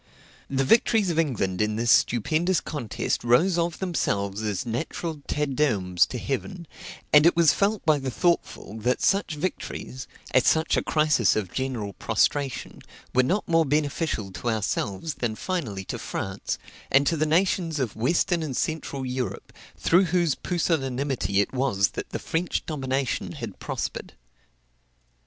The victories of England in this stupendous contest rose of themselves as natural Te Deums to heaven; and it was felt by the thoughtful that such victories, at such a crisis of general prostration, were not more beneficial to ourselves than finally to France, and to the nations of western and central Europe, through whose pusillanimity it was that the French domination had prospered.